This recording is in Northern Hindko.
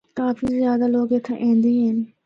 کافی زیادہ لوگ اِتھا ایندے ہن۔